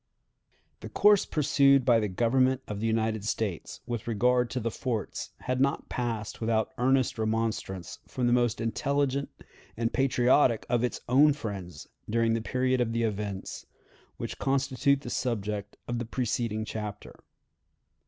The course pursued by the Government of the United States with regard to the forts had not passed without earnest remonstrance from the most intelligent and patriotic of its own friends during the period of the events which constitute the subject of the preceding chapter.